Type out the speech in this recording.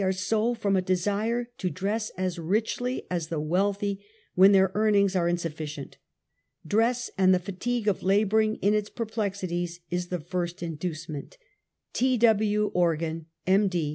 are so from a desire to dress as richly as the wealthy when their earnings are insufhcient. .Dress and the fatigue of laboring in its perplexities is the first in ducement. T. W. Organ, M. D.